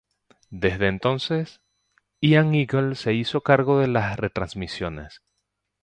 Desde entones Ian Eagle se hizo cargo de las retransmisiones.